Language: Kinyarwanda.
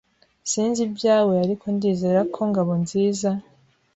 Sinzi ibyawe, ariko ndizera ko Ngabonziza.